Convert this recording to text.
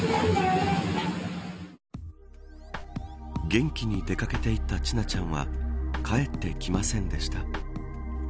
元気に出掛けていった千奈ちゃんは帰ってきませんでした。